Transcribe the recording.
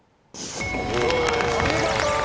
お見事